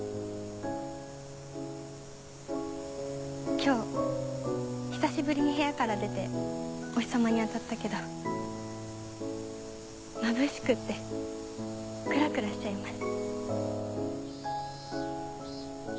今日久しぶりに部屋から出てお日さまに当たったけどまぶしくってクラクラしちゃいます。